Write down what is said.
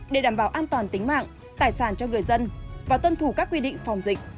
để đảm bảo an toàn tính mạng tài sản cho người dân và tuân thủ các quy định phòng dịch